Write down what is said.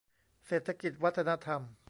เศรษฐกิจวัฒนธรรม